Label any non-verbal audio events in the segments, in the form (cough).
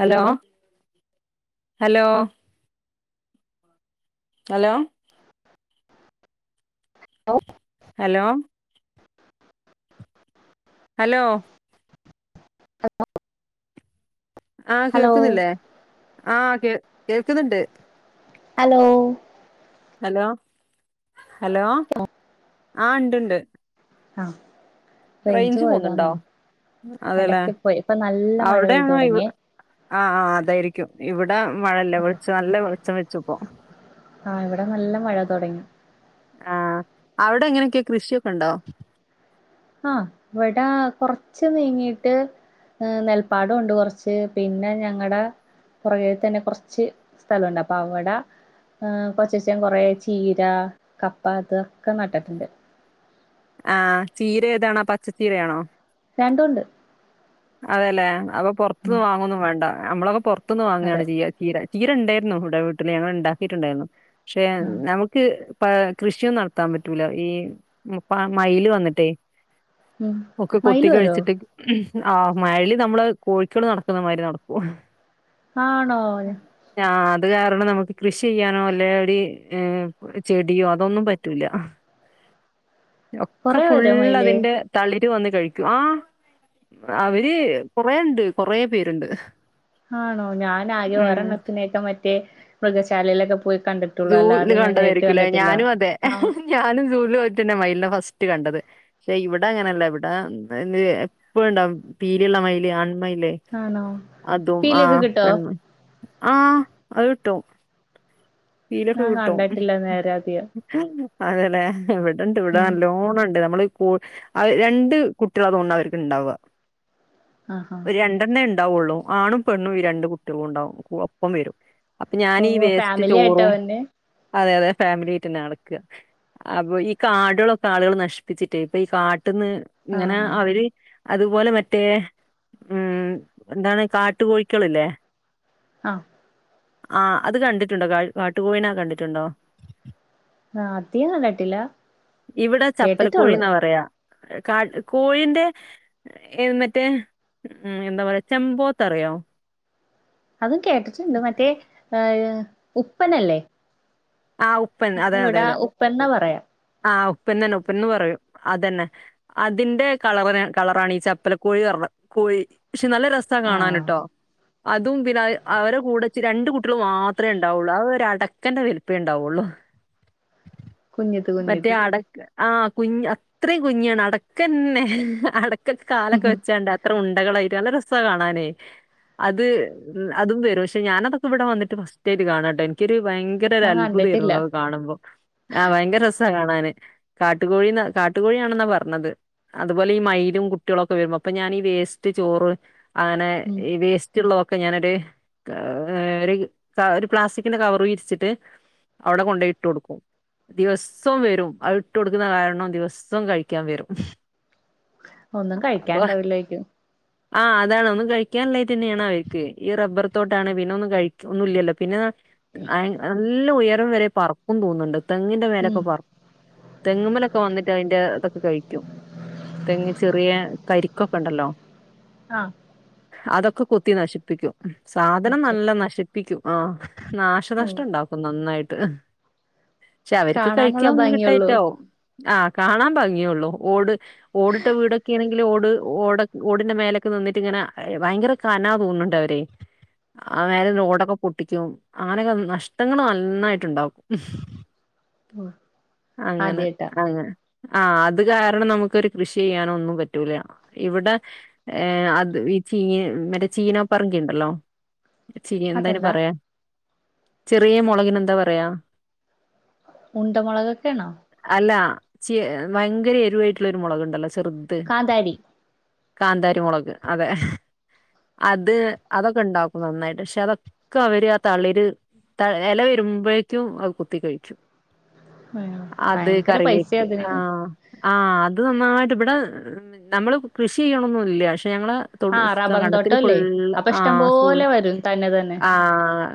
Hello hello hello hello hello hello ആഹ് കേൾക്കുന്നില്ലേ ആഹ കേ കേൾക്കുന്നുണ്ട് ഹലോ ഹലോ ഹലോ ആ ഉണ്ട്ണ്ട് ആഹ റേഞ്ച് പോുന്നുണ്ടോ അതെല്ലേ എടക്ക് പോയി ഇപ്പൊ നല്ല മഴ പെയ്തു അവിടെയാണോ തുടങ്ങിയേ ആഹ് അതായിരിക്കും ഇവിടെ മഴല്ല വെളിച്ച നല്ല വെച്ചം വെച്ച്പ്പോ ആഹ് ഇവിടെ നല്ല മഴ തുടങ്ങി ആഹ അവിടെ എങ്ങനൊക്കെ കൃഷിയൊക്കെ ഉണ്ടാവോ ആഹ ഇവിടെ കുറച്ച് നീങ്ങീട്ട് നെൽപ്പാടമ ഉണ്ട് കുറച്ച് പിന്നെ ഞങ്ങളടെ പുറകേ തന്നെ കുറച്ച് സ്ഥലംഉണ്ട് അപ്പൊ അവിടെ കൊച്ചച്ചൻ കുറേ ചീര, കപ്പ ഇതൊക്കെ നട്ടിട്ടുണ്ട് ആഹ് ചീര ഏതാണആ പച്ചച്ചീരയാണോ രണ്ടുണ്ട് അതെല്ലേ അപ്പൊ ഉം പുറത്തുനിന്ന് വാങ്ങന്നും വേണ്ട നമ്മളൊക്കെ ത്ത്ന്ന് അതെ വാങ്ങാണ് ചെയ്യുക ചീര ചീരണ്ടായിരുന്നു ഇവിടെ വീട്ടില് ഞങ്ങൾ ഉണ്ടാക്കിയിട്ടുണ്ടായിരുന്നു പക്ഷെ ആഹ് നമുക്ക് പ കൃഷിയും നടത്താൻ പറ്റൂല ഈ മയില് വന്നിട്ടേ ഉം ഒക്കെ കൊത്തി മയില് വരോ കഴിച്ചിട്ട് ആഹ് മഴൽ നമ്മള് കോഴിക്കൾ നടക്കുന്ന മാതിരി നടക്കും ആണോ ആ അത് കാരണം നമുക്ക് കൃഷി ചെയ്യാനോ അല്ലെ ഒര് ചെടിയോ അതൊന്നും പറ്റൂല്ല ഒക്കെ കൊറേ ഫുള് വരോ മയില് അതിന്റെ തളിര് വന്ന് കഴിക്കും ആഹ അവര് കൊറേുണ്ട് കൊറ പേരുണ്ട് ആണോ ഞാാനാകെ ഉം ഒരെണ്ണത്തിനേൊക്കെ മറ്റേ മൃഗശാലയിലൊക്കെ പോയി കണ്ടിട്ടുള്ളൂ സൂല് അല്ലാതെ ഞാൻ നേരിട്ട് കണ്ടതായിരിക്കുംല്ലേ കണ്ടിട്ടില്ല ഞാനും അതെ ആഹ് ഞാനും സൂല് വെച്ചെന്നെ മായ്ല്നെ ഫസ്റ്റ് ട്ട് കണ്ടത് ഷെ ഇവിട അങ്ങനെല്ല ഇവിടെ ഇത് എപ്പഇണ്ടാവും പീലിള്ള മൈല് ആൺ മൈല് ആണോ അതും പീലിയൊക്കെ ആഹ് കിട്ടോ പെണ്ണ് ആഹ് അകിട്ടും പീലൊക്കെ ഞാൻ കിട്ടും കണ്ടിട്ടില്ല നേരെ അധികം അതെലെഹ് ഇവിട് ണ്ട് ഇവിടെ ഉം നല്ലോണ് ണ്ട് നമ്മള് ഐ രണ്ട് കുട്ടികളാ തോന്ന്ണ് അവര്ക്ക് ഇണ്ടാവ ആഹാ ഒരു രണ്ടെണ്ണേ ഉണ്ടാവുള്ളൂ ആണും പെണ്ണും ഈ രണ്ട് കുട്ടികളും ഉണ്ടാവും ഒപ്പം വെരും അപ്പൊ ഞാനീ ഈ വേസ്റ്റ് ല്ല്യാട്ടോ ചോറും വര്നെ അതെ അതെ ഫാമിലി ആയിട്ട് തന്നെ നടക്ക അപ്പൊ ഈ കാടുകളൊക്കെ ആളുകൾ നശിപ്പിച്ചിട്ടേ ഇപ്പൊ ഈ കാ ട്ട്ന്ന് ഇങ്ങനെ ആഹ് അവര് അതുപോലെ മറ്റേ ഉം എന്താണ് കാട്ട് കോഴിക്കള്ല്ലേ അ ആ അത് കണ്ട്ട്ട് ട്ടുണ്ടോ കാട്ടുകോഴിനെ കണ്ടിട്ടുണ്ടോ ആ അത് ഞാൻ കണ്ടില്ല ഇവിടെ ചപ്പലക്കോഴി കേട്ടിട്ടോള്ളു എന്നാ പറയാ കാ കോഴിന്റെ എ മറ്റേ മ് എന്താ പറയാ ചെമ്പോത്തറിയോ അതും കേട്ടിട്ട്ണ്ട് മറ്റേ ഏ ഉപ്പനല്ലേ ആ ഉപ്പൻ അതിന്റെ അതെ അതെ ഇവിടെ അതെ ഉപ്പന്നാ പറയാ ആ ഉപ്പൻ തന്നെ ഉപ്പൻന്ന് പറയും അതെന്നെ അതിന്റെ കളർ കളറാണ് ഈ ചപ്പല കോഴിപറഞ്ഞത് കോഴി പക്ഷെ നല്ല രസ ആഹ് കാണാന്ട്ടോ അതും പിന്നെ അവരെ കൂടെച്ച് രണ്ടു കുട്ടികൾ മാത്രമേ ഉണ്ടാവുള്ളൂ അത് അടക്കന്റെ വലുപ്പ പ്പെ ഇണ്ടാവുള്ളു കുഞ്യത് കുഞ്യത് ആ കുഞ് അത്രയും കുഞ്ഞാണ് അടക്കന്നെ ഹ് അട ക്ക് കാലൊക്കെ വെച്ചാണ്ട് അത്ര ഉണ്ട് ണ്ടകളായിട്ട് നല്ല രസ കാണാന് അത് അതും വരും പക്ഷെ ഞാനതൊക്കെ ഇവിടെ വന്നിട്ട് ഫസ്റ്റയ്ട്ട് കാണാട്ടോ എനിക്കൊരു ഭയ യങ്കര ഒരു ഞാൻ അത്ഭുതായിരുന്നു കണ്ടിട്ടില്ല ഇതൊക്കെ കാണുമ്പോ ആ ഭയങ്കര രസം സ്സാ കാണാന് കാട്ടുകോഴിനെ കാട്ടുകോഴിയാണെന്നാ പറഞ്ഞത് അതുപോലെ ഈ മൈയിലും കുട്ടികളൊക്കെ വരുമ്പ അപ്പൊ ഞാൻ ഈ വേസ്റ്റ് ചോറ് അങ്ങനെ ഉം ഈ വേസ്റ്റ്ള്ളതൊക്ക്‌ ഓക്കെ ഞാനൊരു ഒരു ഒരു പ്ലാസ്റ്റിക്കിൻ്റെ കവറ് വിരിച്ചിട്ട് അവിടെ കൊണ്ടോയിട്ടു കൊടുക്കും ദിവസോം വരും അത് ഇട്ട് കൊടുക്ക്ണ കാരണം ദിവസോം കഴിക്കാൻ വരും ഒന്നും കഴിക്കാണ്ടാവില്ലേയ്ക്കും ആ അതാണ് ഒന്നും കഴിക്കാനില്ലായിട്ടെന്നെണ് അവെര്ക്ക് ഈ റബ്ബർ തോട്ടാണ് പിന്നെ ഒന്നും കഴി ഒന്നുല്ലല്ലോ പിന്നെ (unintelligible) നല്ല ഉയരം വരെ പറക്കും തോന്നുണ്ട് തെങ്ങിന്റെ ഉം മേലൊക്കെ പറക്കും തെങ്ങുമ്മേലൊക്കെ വന്നിട്ട് അതിന്റെ ഇതൊക്കെ കഴിക്കും തെങ്ങു ചെറിയ കരിക്കൊക്കെണ്ടല്ലോ ആ അതൊക്കെ കൊത്തി നശിപ്പിക്കും സാധനം അച്ച നല്ല നശിപ്പിക്കും ആ ഓ നാശനഷ് ട്ടുണ്ടാക്കും നന്നായിട്ട് അ (unintelligible) ക്ഷെ അവർക്ക് കാണാനുള്ള കഴിക്കാൻ ഒന്നും ഭംഗിയൊള്ളൂ കിട്ടായിട്ടാവും ആ കാണാൻ ഭംഗിഒള്ളു ഓടെ ഓടിട്ട വീടൊക്കെ ആണെങ്കി ങ്കിലും ഓടെ ഓടോക ഓടിന്റെ മോളിലോക്കെ നിന്നിട്ടിങ്ങനെ ഭയങ്കര കനാ അയയെ ഓടൊക്കെ പൊട്ടിക്കും അങ്ങനൊക്കെ നഷ്ട നിങ്ങാണ നന്നായിട്ടുണ്ടാവും (unintelligible) അങ്ങനെ ആദ്യായിട്ടാ അങ്ങ് ആ അതുകാരണം നമുക്കൊരു കൃഷി ചെയ്യാനൊന്നും പറ്റൂല്ല ഇവിടെ ഏ അത് മറ്റേ ചീനോ പറങ്കി ഉണ്ടല്ലോ ചീ എന്താന് അതെന്താ പറയാ ചെറിയ മോളകിനെന്താ പറയാ (unintelligible) മുളകൊക്കെ ആണോ ചിയാ ഭയങ്കര എരിവായിട്ടുള്ളൊരു മുളകുണ്ടല്ലോ ചെറുത് കാന്താരി കാ‍ന്താരി മൊളക് അതെ അത് അതൊക്കെ ഉണ്ടാകും നന്നായിട്ട് പക്ഷെ അതൊക്കെ അവരെ തളിരെ എല വരുമ്പോഴേക്കും അത് കുത്തി കേറ്റും ഭയങ്കര പൈസയാ അതിനെ ആ അത് നന്നായിട്ടിവിടെ നമ്മളു കൃഷി ചെയ്യോന്നും ഇല്ല ഞങ്ങളെ തോട് ആഹ് റബ്ബറും കണ്ടത്തിൽ തോട്ടല്ലേ ഫുള്ള് അപ്പൊ ആ ഇഷ്ടം സ്കൂൾ പോലെ വരും തന്നെ തന്നെ ആ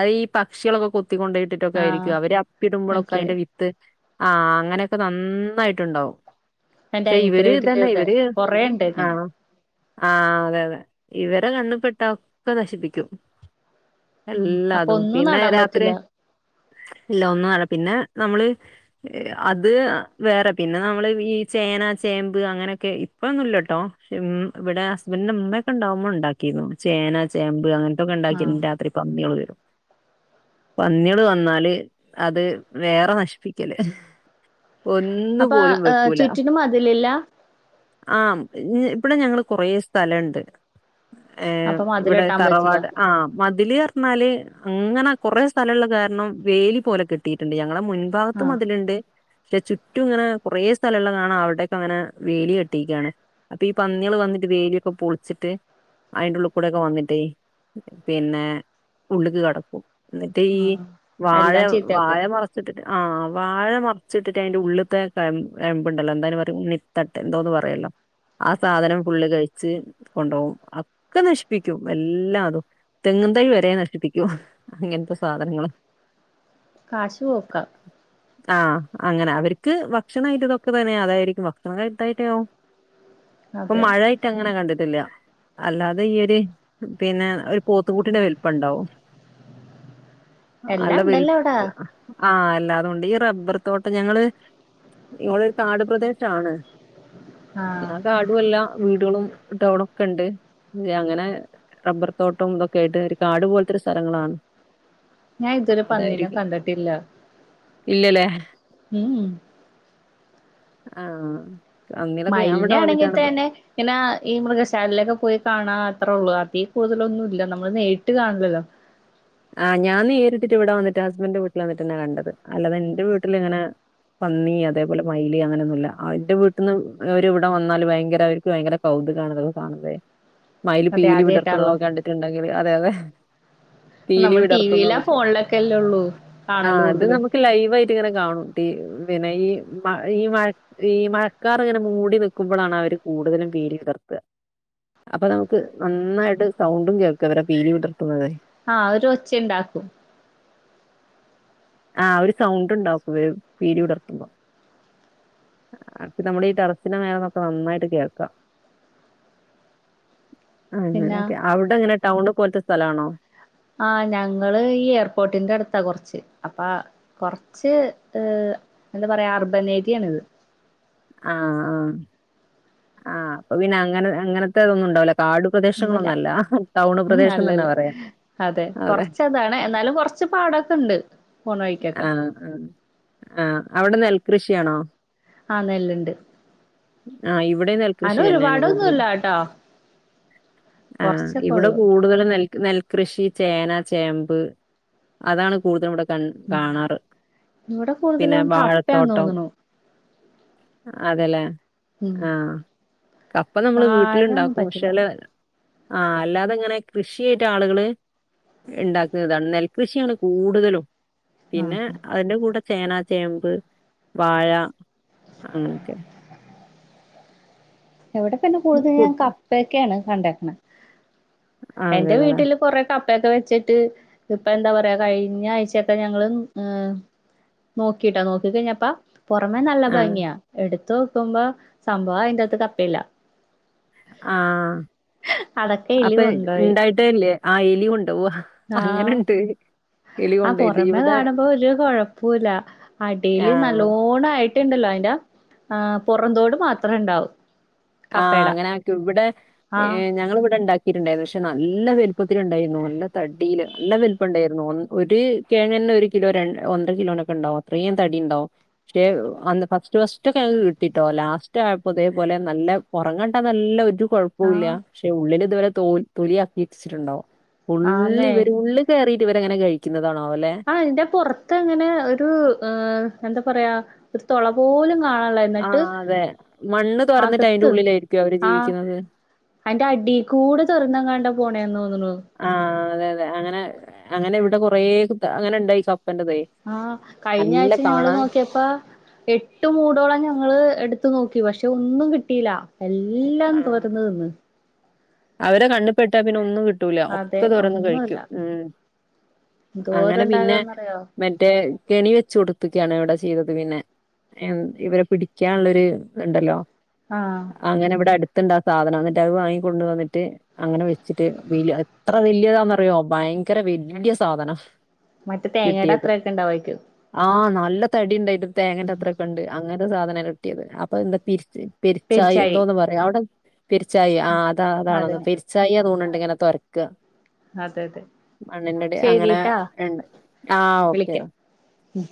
അയീ പക്ഷികളൊക്കെ കൊത്തിക്കൊണ്ടി ട്ടിട്ടൊക്കെ ആഹ് ആയിരിക്കും അവരെ അപ്പിടുമ്പോഴൊക്കെ മനസ്സിലായി അതിന്റെ വിത്ത് ആ അങ്ങനൊക്കെ നന്നായിട്ടുണ്ടാവും എന്റെ പക്ഷെ അനിയത്തീടെ ഇവര് വീട്ടില് ഇതന്നെ ദെ കൊറേണ്ടേര്ന്ന് ആ അതെ അതെ ഇവരെ കണ്ണ് പെട്ടാ ഒക്കെ നശ്പ്പിക്കും ഉം അപ്പൊ എല്ലാതും ഒന്നും പിന്നെ നടാൻ രാത്രി പറ്റില്ല ഇല്ല ഒന്നു നടാ പിന്നെ നമ്മള് അത് വേറെ പിന്നെ നമ്മള് ഈ ചേന ചേമ്പ് അങ്ങനെയൊക്കെ ഇപ്പൊന്നുല്ലാട്ടോ ഇവിടെ ഹസ്ബൻ്റ്ൻ്റെമ്മ ണ്ടാവുമ്പൊ ണ്ടാക്കിയിര്ന്നു ചേന ചേമ്പ് അങ്ങ ത്തൊക്കെ ണ്ടാക്കി ആഹ് രാത്രി പന്യാള് വരും പന്യള് വന്നാല് അത് വേറെ നശ്പ്പിക്കല് അപ്പാ ചുറ്റിനും മതിലില്ല ആ ഇവിടെ ഞങ്ങള് കൊറെ സ്ഥലണ്ട് ഏഹ് അപ്പൊ ഇവിടെ മതിലെട്ടാൻ പറ്റില്ല തറവാട് ആ മതില് ഇന്നാല് അങ്ങനാ കൊറെ സ്ഥലെള്ള കാര്ണം വേലി പോലെ കെട്ടി ഇണ്ട് ഞ ഇങ്ങളെ മുൻഭാഗത്ത് ആഹ് മതില്ണ്ട് ചുറ്റുങ്ങനെ കൊറേ സ്ഥലെള്ളകാണ അവിടൊക്കങ്ങനെ വേലി കെട്ടീക്കാണ് അപ്പീ പന്ന്യെള് വന്നിട്ട് വേല്യക്കെ പൊൾച്ച്ട്ട് അയ്ന്റെ ഉള്ള്ക്കൂടെ വന്നിട്ടെ പിന്നെ ഉള്ള്ക്ക് കടക്കും ന്നിട്ട് ഈ ആഹ് വാഴ എല്ലാം വാഴ ചീത്തയാക്കും ആ വാഴ മർച്ചിട്ടിട്ട് ഐന്റെ ഉള്ള്ത്തെ കഴമ്പ് കഴമ്പ്ണ്ടല്ലോ എന്താ ഐന്പറയാ ഉണ്ണിത്തട്ടെ എന്തോന്ന് പറയല്ലൊ ആ സാധനം ഫുള്ള് കഴിച്ച് കൊണ്ടോവും ഒക്കെ നശ്പ്പിക്കും എല്ലാതും തെങ്ങും തൈ വരെ നശിപ്പിക്കും അങ്ങൻത്തെ സാധനങ്ങളാ കാഷ് പോക്കാ ആഹ് അങ്ങനെ അവര്ക്ക് ഭക്ഷണായിട്ട് ഇതൊക്കെ തന്നെ അതായിരിക്കും ഭക്ഷണം കിട്ടായ്ട്ടാവും ഇപ്പം അതെ മഴായിട്ട് അങ്ങനെ കണ്ടിട്ടില്ല അല്ലാതെ ഈ ഒര് പിന്നെ ഒര് പോത്ത് കുട്ടിൻ്റെ വൽപ്പണ്ടാവും എല്ലാണ്ടല്ലോ അവ്ടെ ആ എല്ലാതുണ്ട് ഈ റബ്ബറ് തോട്ടം ഞങ്ങള് ഇങ്ങോട്ടൊരു കാട് പ്രദേശാണ് ആഹ് ന്നാ കാടു അല്ല വീടളും ടൗണൊക്കെണ്ട് അങ്ങനെ റബ്ബർത്തോട്ടും തൊക്കേയ്ട്ട് ഒരു കാട്പോൽത്തൊരു സ്ഥലങ്ങളാണ് ഞാൻ ഇതുവരെ പന്നിനെ അതായിരിക്കും കണ്ടി ട്ടില്ല ഇല്ലല്ലേ ഉം ഉം ആഹ് അന്നിലൊക്കെ ഞാൻ മയിൽനെ ഇവിടെ ആണെങ്കി വന്നിട്ടാണ് തന്നെ പിന്നാ ഈ മൃഗശാലയിലൊക്കെ പോയി കാണാ അത്രൊള്ളൂ അതീ കൂടുതലൊന്നുല്ല നമ്മള് നേരിട്ട് കാൺലല്ലോ ആ ഞാൻ നേരിട്ടിട്ട് ഇവിടെ വന്നിട്ടാ ഹസ്ബൻ്റിന്റെ വീട്ട്ല് വന്നിട്ടന്നെ കണ്ടത് അല്ലാതെ എന്റെ വീട്ടില്ങ്ങനെ പന്നി അതേപോലെ മൈല് അങ്ങനൊന്നുല്ല എന്റെ വീട്ട്ന്ന് അവര് ഇവ്ടെ വന്നാല് ഭയങ്കര അവർക്ക് ഭയങ്കര കൗതുകാണ് ഇതൊക്കെ കാണുമ്പഴേ അതെ മൈൽപീലി ആദ്യായിട്ടാണല്ലോ വിടർത്തുന്നതൊക്കെ കണ്ടിട്ടുണ്ടെങ്കില് അതെ അതെ പീലി നമ്മൾ ടി വിയിലാ വിടർത്തുന്നതൊക്കെ ഫോണിലൊക്കെല്ലേ ഉള്ളൂ കാണല് അത് കൂടുതലും നമുക്ക് ലൈവായിട്ട്ങ്ങനെ കാണും ടീ പിന്നെ ഈ മ ഈ മഴ ഈ മഴക്കാറ്ങ്ങനെ മൂടിനിക്കുമ്പളാണ് അവര് കൂടുതലും പീലി വിടർത്ത അപ്പോ നമുക്ക് നന്നായിട്ട് സൗണ്ടും കേൾക്കാം അവരെ പീലി വിടർത്തുന്നത് ആ ഒരു ഒച്ചയുണ്ടാക്കും ആ ഒരു സൗണ്ട്ണ്ടാക്കും ഇവര് പീലി വിടർത്തുമ്പോ അപ്പൊ നമ്മളീ ടറസ്സിന്റെ മേലേനോക്കുമ്പോ നന്നായിട്ട് കേൾക്കാ പിന്നെ അങ്ങനൊക്കെ അവ്ടെ എങ്ങനെ ടൗണ്പോൽതെ സ്ഥലണോ ആ ഞങ്ങള് ഈ എയർപോർട്ട്ന്റെ അടുത്താ കൊർച്ച് അപ്പ കൊർച്ച് ഏ എന്താ പറയാ അർബൻ ഏരിയാണ്ത് ആ ആം ആ അപ്പൊ പിന്നെ അങ്ങനെ അങ്ങൻതെ അതൊന്നുണ്ടാവൂലാ ഒന്നൂല്ല ഉം പ്രദേശം തന്നെ അല്ലല്ല പറയാം അതേ അതെ കൊർച്ചതാണ് എന്നാലും കൊർച്ച് പാടൊക്കെണ്ട് ആഹ് അവിടെ നെൽ കൃഷി ആണോ ആ നെല്ല്ണ്ട് ആ ഇവി ഇവിടെയും നെൽ കൃഷി തന്നെയാണ് കൂടുതൽ, ട്ടോ ആ കൊറച്ചൊക്കെ ഇവിടെ ഒള്ളു കൂടുതൽ നെല്ല് - നെൽ കൃഷി, ചേന, ചേമ്പ് അതാണ് കൂടുതൽ ഇവിടെ കാണു - ഇവിടെ കൂടുതലും കപ്പ ആണന്നു തോന്നുന്നു അതേയില്ലേ ആ കപ്പ നമ്മള് വീട്ടിൽ വാഴൊന്നും ഉണ്ടാക്കും പറ്റില്ല പക്ഷെല് അല്ലാതെ ഇങ്ങനെ കൃഷിയായിട്ട് ആളുകളു ഇഇണ്ടാക്കുന്നതാണ് നെല്ല് കൃഷി ആണ് കൂടുതലും ആഹ് പിന്നെ അതിന്റ കൂടെ ചേന, ചേമ്പ്, വാഴ അങ്ങനെ യൊക്കെ ഇവിടെ തന്നെ കു കൂടുതലും കപ്പ ഒക്കെ ആണ് കണ്ടിരി - (unintelligible) എന്റെ അതെതെല്ലേ. വീട്ടിലും കുറേ കപ്പ - കപ്പയൊക്കെ ഇപ്പൊ എന്താ പറയുക കഴിഞ ആഴ്ചയൊക്കെ ഞങ്ങളു നോക്കിട്ടോ നോക്കി കഴിഞ്ഞപ്പോ - പുറമെ നല്ല ആഹ് ഭംഗി ആ എടുത്ത് - നോക്കുമ്പോൾ സംഭവം അതിനകത്തു - ഇല്ല ആ എലി അപ്പൊ കൊണ്ടോയി ഇണ്ടായിട്ടേ ഇല്ലേ ആ എലി കൊണ്ടുപോവുവ അങ്ങനെ ഇണ്ട് ആ പോരമേ കാണുമ്പോൾ വലിയ കൊഴപ്പം ഇല്ലേ അടിയില് ആഹ് നല്ലോണം - (unintelligible) ആ അതിന്റ പോരാംതോടു മാത്രം ഉണ്ടാവും അങ്ങനെ ആഹ് ഞങ്ങള് ഇവിടെ ഉണ്ടാക്കിട്ടുണ്ടായിരുന്നു പക്ഷെ നല്ല - ഒത്തിരി ഉണ്ടായിരുന്നു നല്ല തടിയിലേ നല്ല വലിപ്പം ഉണ്ടായിരുന്നു ഒരു കിഴങ്ങു തന്നെ ഒരു കിലോ ഒന്നര കിലോ ഉണ്ടായിരുന്നു പക്ഷെ ഫസ്റ്റ് കിഴങ്ങു കിട്ടിട്ടോ ലാസ്റ്റ് ആയപ്പോൾ ഇതേപോലെ നല്ല ഒരങ്ങട്ടെ നല്ലൊരു കൊഴപ്പില്ല ആഹ് പക്ഷെ ഉള്ളിലു ഇതു വരെ - (unintelligible) ആന്നേ ഉള്ളിവരും ഉള്ളി കേറി ത്തിവരെ (unintelligible) അങ്ങനാ കഴിക്കുന്നത് ആഹ് എന്റെ പൊറത്തിങ്ങനെ ഒരു ഏഹ് എന്താ പറയാ ഒരു തൊള പോലും കാണാണൊള്ള എന്നിട്ട് ആഹ് അതെ മണ്ണ് തൊറന്നിട്ട് അയിന്റെ അകത്ത് ഉള്ളിലായിരിക്കും അവര് ആഹ് ജീവിക്കുന്നത്. അയിന്റെ അടീകൂടെ തൊരന്നെങ്ങാണ്ടാ പോണേന്നു ന്നുണു ആഹ് അതെ അതെ അങ്ങനെ അങ്ങനെ ഇവിടെ കൊറേ കുത്ത് അങ്ങനെയുണ്ടായി സ ആഹ് കഴിഞ്ഞ ആഴ്ച ഞങ്ങള് നോക്കിയപ്പാ എട്ട് മൂടോളം ഞങ്ങള് എടുത്ത് ത്തു നോക്കി പക്ഷെ ഒന്നും കിട്ടീല എല്ലാം ആഹ് തൊരന്നു തിന്ന് അവരെ കണ്ണിപ്പെട്ട പിന്നെ ഒന്നും കിട്ട് ട്ടൂല അതെ ഒക്കെ തൊരന്ന് ഒന്നുല്ല. കഴിക്കും മ്മ് എന്തോരം അങ്ങനെ പിന്നെ ഉണ്ടാകാന്നറിയോ മറ്റേ കെണി വെച്ച് കൊടിപ്പിക്കയാണ് ഇവിടെ ചെയ്തത് പിന്നെ എൻ ഇവരെ പിടിക്കാനൊള്ള ഒരു ഇതുണ്ടല്ലോ ആഹ് അങ്ങനെ ഇവിടെ അടുത്തുണ്ട് ആ സാധനം അന്നിട്ട് അത് വാങ്ങിക്കൊണ്ട് വന്നിട്ട് അങ്ങനെ വെച്ചിട്ട് വീല എത്ര വല്യതാന്ന് അറിയുവോ ഭയങ്കര വല്ല്യ സാധനം മറ്റേ തേങ്ങേടെ കിട്ടിയത് അത്രയൊക്കെ ഉണ്ടാവായിരിക്കും ആഹ് നല്ല തടി ഉണ്ടായിട്ടു തേങ്ങേൻ്റെ അത്രൊക്കെ ഇണ്ട് അങ്ങനെ ത്ത സാധനവാ കിട്ടിയത് അപ്പൊ എന്താ പിരിച്ച് പെരിച്ചായി പെരിച്ചാഴി എന്തോന്ന് പറ (unintelligible) പെരിച്ചായി ആഹ് അതാ അതാണെന്ന് അതന്നെ പെരിച്ചായിയാ തോനണ ഇങ്ങനെ തൊരക്കുവാ അതെ അതെ മണ്ണിന്റെ അടി അങ്ങനെ ശരിട്ടാ ഇണ്ട് ആ ഓക്കെ ഡാ മ്മ്